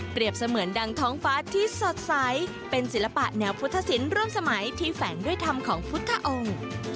เสมือนดังท้องฟ้าที่สดใสเป็นศิลปะแนวพุทธศิลป์ร่วมสมัยที่แฝงด้วยธรรมของพุทธองค์